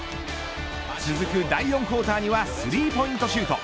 続く第４クオーターにはスリーポイントシュート。